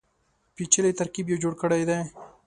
پېچلی ترکیب یې جوړ کړی دی.